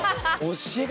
教え方